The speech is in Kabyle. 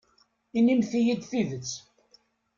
Inimt-iyi-d tidet.